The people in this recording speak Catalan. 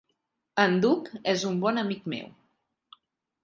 En Doug és un bon amic meu.